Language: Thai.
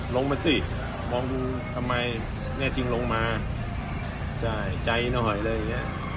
ลงมาสิมองดูทำไมแน่จริงลงมาใช่ใจหน่อยอะไรอย่างเงี้ย